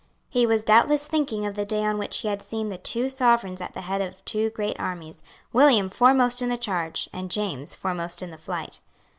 He was doubtless thinking of the day on which he had seen the two Sovereigns at the head of two great armies, William foremost in the charge, and James foremost in the flight.